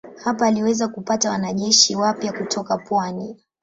Hapa aliweza kupata wanajeshi wapya kutoka pwani.